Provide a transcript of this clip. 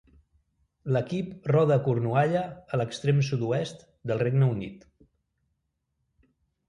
L'equip roda a Cornualla a l'extrem sud-oest del Regne Unit.